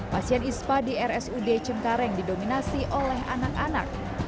pasien ispa di rsud cengkareng didominasi oleh anak anak